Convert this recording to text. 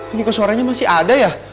ini ke suaranya masih ada ya